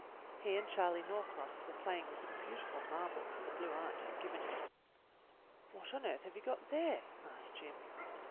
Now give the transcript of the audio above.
He and Charley Norcross were playing with some beautiful marbles that the Blue Aunt had given him. "What on earth have you got there.^" asked Jim.